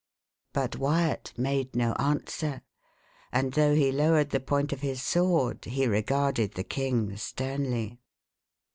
But Wyat made no answer; and though he lowered the point of his sword, he regarded the king sternly.